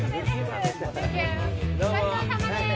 ごちそうさまです。